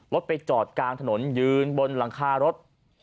ไปจอดกลางถนนยืนบนหลังคารถ